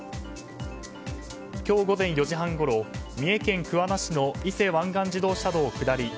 今日午前４時半ごろ三重県桑名市の伊勢湾岸自動車道下り